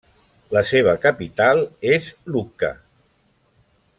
La seva capital és Lucca.